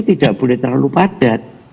tidak boleh terlalu padat